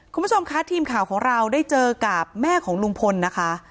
คุณผู้ชมคะทีมข่าวของเราได้เจอกับแม่ของลุงพลนะคะ